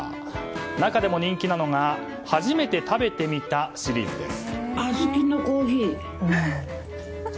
中でも人気なのが「初めて食べてみた」シリーズです。